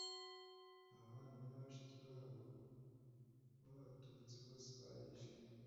abavandimwe na bashiki babo b Abatutsi bose barishwe